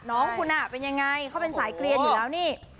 น้องคุณเป็นยังไงเขาเป็นสายเกลียนอยู่แล้วนี่